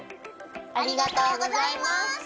ありがとうございます。